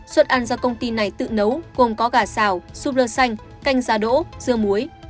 suất ăn do công ty này tự nấu gồm có gà xào súp rơ xanh canh da đỗ dưa muối